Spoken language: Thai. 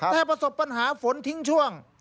แต่ประสบปัญหาฝนทิ้งช่วง